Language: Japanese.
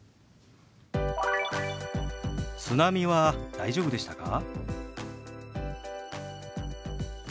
「津波は大丈夫でしたか？」。